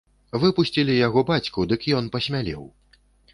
Выпусцілі яго бацьку, дык ён пасмялеў.